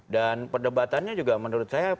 dan perdebatannya juga menurut saya